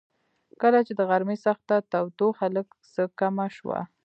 کله چې د غرمې سخته تودوخه لږ څه کمه شوه.